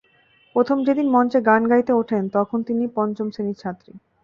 প্রথম যেদিন মঞ্চে গান গাইতে ওঠেন, তখন তিনি পঞ্চম শ্রেণির ছাত্রী।